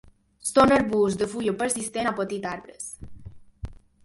Són arbusts de fulla persistent o petits arbres.